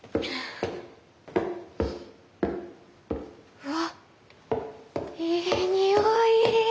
うわっいい匂い。